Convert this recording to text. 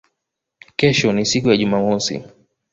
Kesho ni siku ya Jumamosi